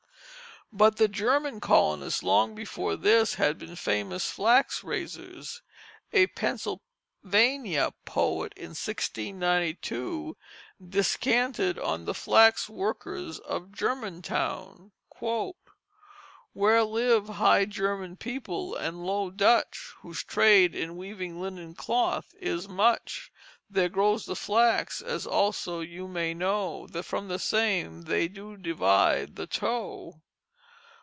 But the German colonists long before this had been famous flax raisers. A Pennsylvania poet in 1692 descanted on the flax workers of Germantown: "Where live High German people and Low Dutch Whose trade in weaving linen cloth is much, There grows the flax as also you may know, That from the same they do divide the tow."